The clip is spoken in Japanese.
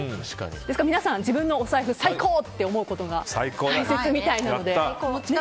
皆さん、自分のお財布最高と思うことが大切みたいなので。